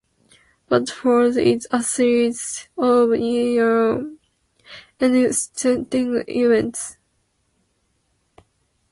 What follows is a series of eerie and unsettling events.